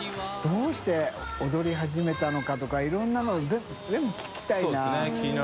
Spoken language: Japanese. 匹Δ靴踊り始めたのかとかいろんなのを管聞きたいな。